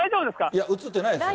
いや、映ってないです。